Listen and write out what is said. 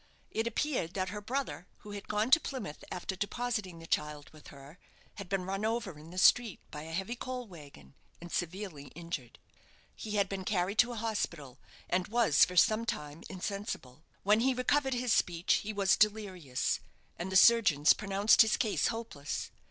It appeared that her brother, who had gone to Plymouth after depositing the child with her, had been run over in the street by a heavy coal waggon, and severely injured. He had been carried to a hospital, and was for some time insensible. When he recovered his speech he was delirious, and the surgeons pronounced his case hopeless.